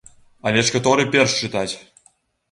Але ж каторы перш чытаць?